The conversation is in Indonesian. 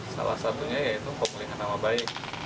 salah satunya yaitu pemulihan nama baik